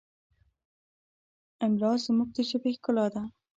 املا زموږ د ژبې ښکلا ده.